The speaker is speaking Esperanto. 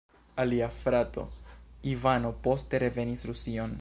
Alia frato "Ivano" poste revenis Rusion.